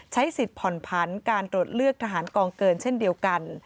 สิทธิ์ผ่อนผันการตรวจเลือกทหารกองเกินเช่นเดียวกัน